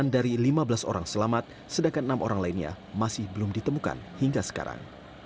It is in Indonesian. delapan dari lima belas orang selamat sedangkan enam orang lainnya masih belum ditemukan hingga sekarang